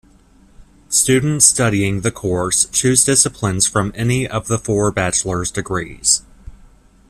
Students studying the course choose disciplines from any of the four bachelor's degrees.